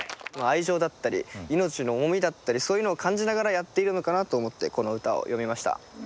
愛情だったり命の重みだったりそういうのを感じながらやっているのかなと思ってこの歌を詠みました。